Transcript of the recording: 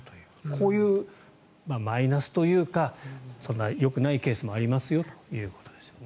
こういうマイナスというかよくないケースもあるということですね。